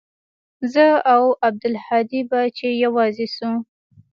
زه او عبدالهادي به چې يوازې سو.